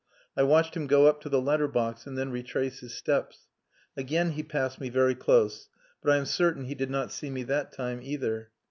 I watched him go up to the letter box and then retrace his steps. Again he passed me very close, but I am certain he did not see me that time, either.